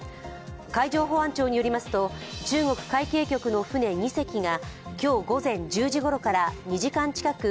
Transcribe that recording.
海上保安庁によりますと、中国海警局の船２隻が今日午前１０時ごろから２時間近く